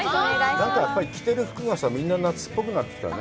なんかやっぱり着てる服がみんな、夏っぽくなってきたね。